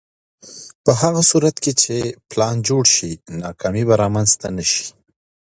په هغه صورت کې چې پلان جوړ شي، ناکامي به رامنځته نه شي.